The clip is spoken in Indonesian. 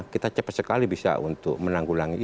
kita cepat sekali bisa untuk menanggulangi